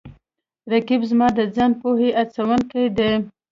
رقیب زما د ځان پوهې هڅوونکی دی